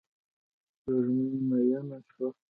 سپوږمۍ میینه شوه